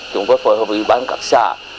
chúng tôi phối hợp với các xã